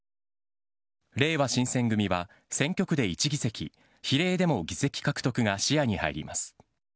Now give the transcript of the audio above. れいわ新選組は、選挙区で１議席、比例でも議席獲得が視野に入ります。